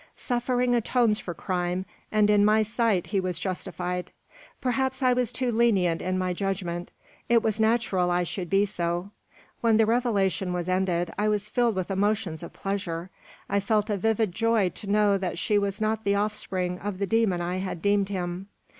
Suffering atones for crime, and in my sight he was justified. Perhaps I was too lenient in my judgment. It was natural I should be so. When the revelation was ended, I was filled with emotions of pleasure. I felt a vivid joy to know that she was not the offspring of the demon I had deemed him.